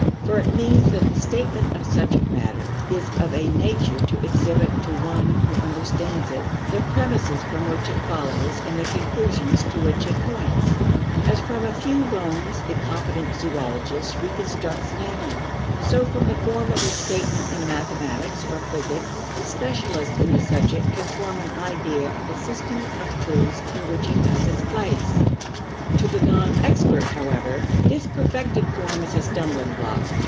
For it means that the statement of subject matter is of a nature to exhibit to one who understands it the premises from which it follows and the conclusions to which it points (See ante, p. 190). As from a few bones the competent zoologist reconstructs an animal; so from the form of a statement in mathematics or physics the specialist in the subject can form an idea of the system of truths in which it has its place. To the non expert, however, this perfected form is a stumbling block.